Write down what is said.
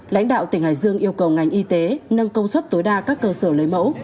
lãnh đạo tỉnh hải dương yêu cầu ngành y tế nâng công suất tối đa các cơ sở lấy mẫu